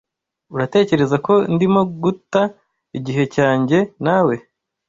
Uratekereza ko ndimo guta igihe cyanjye na we.